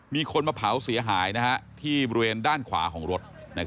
มีคนมาเผาเสียหายที่บริเวณด้านขวาของรถ